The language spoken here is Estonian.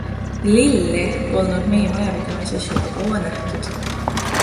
Lilli polnud meie majapidamises juba kaua nähtud.